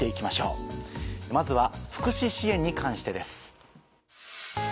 まずは福祉支援に関してです。